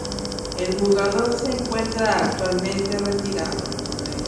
El jugador se encuentra actualmente retirado.